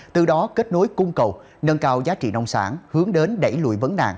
từ đó kết nối cung cầu nâng cao giá trị nông sản